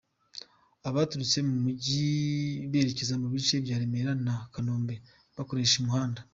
Abaturutse mu mujyi berekeza mu bice bya Remera na Kanombe bakoresha umuhanda:.